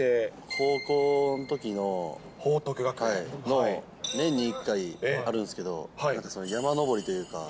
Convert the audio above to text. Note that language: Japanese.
高校のときの、年に１回あるんですけど、山登りというか。